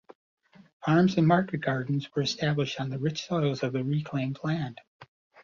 Farms and market gardens were established on the rich soils of the reclaimed land.